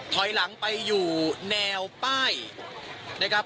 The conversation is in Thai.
ถอยหลังไปอยู่แนวป้ายนะครับ